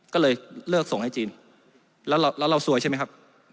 ก็เลยเลิกส่งให้จีนแล้วเราซวยใช่ไหมครับ